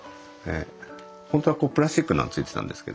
本当はこうプラスチックなのが付いてたんですけど。